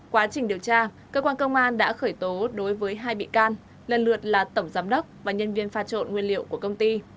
quá trình điều tra cơ quan công an đã khởi tố đối với hai bị can lần lượt là tổng giám đốc và nhân viên pha trộn nguyên liệu của công ty